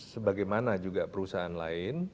sebagaimana juga perusahaan lain